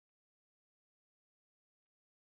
غول د مکروبونو زېرمې لري.